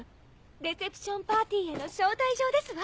レセプションパーティーへの招待状ですわ。